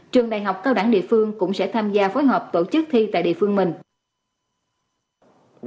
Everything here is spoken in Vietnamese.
trường đại học cao đẳng địa phương cũng sẽ tham gia phối hợp tổ chức thi tại địa phương mình